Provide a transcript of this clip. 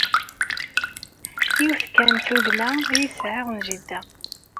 Yiwet kan n tugna ay sɛiɣ n jida.